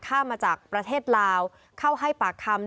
ข้ามมาจากประเทศลาวเข้าให้ปากคำ